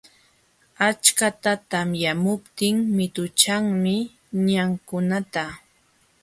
Achkata tamyamuptin mituchanmi ñamkunata.